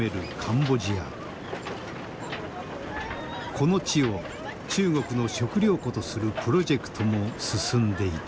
この地を中国の食料庫とするプロジェクトも進んでいた。